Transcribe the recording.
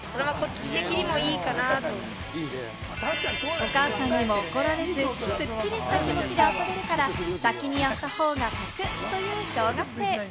お母さんにも怒られず、すっきりした気持ちで遊べるから、先にやった方が得という小学生。